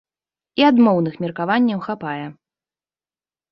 І адмоўных меркаванняў хапае!